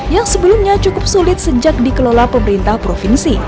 yang sebelumnya cukup sulit sejak dikelola pemerintah provinsi